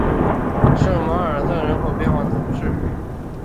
圣马尔瑟康珀人口变化图示